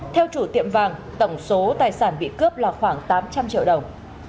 theo chủ tiệm vàng tổng số tài sản bị cướp là khoảng tám trăm linh triệu đồng